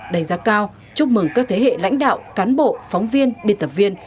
đánh giá cao chúc mừng các thế hệ lãnh đạo cán bộ phóng viên biên tập viên